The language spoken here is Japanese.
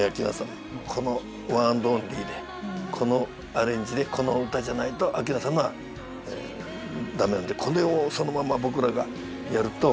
このワンアンドオンリーでこのアレンジでこの歌じゃないと明菜さんのは駄目なんでこれをそのまんま僕らがやると。